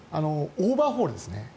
オーバーホールですね。